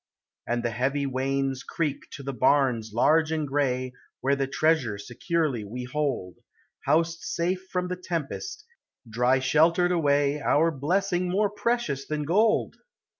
l & And the heavy wains creak to the barns large and gray, Where the treasure securely we hold, Housed safe from the tempest, dry sheltered away. Our blessing more precious than gold!